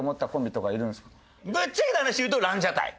ぶっちゃけた話言うとランジャタイ。